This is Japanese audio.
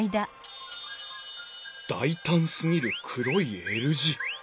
大胆すぎる黒いＬ字。